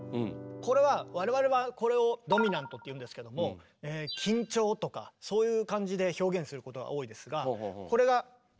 これは我々はこれをドミナントっていうんですけども緊張とかそういう感じで表現することが多いですがこれが。